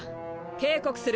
警告する。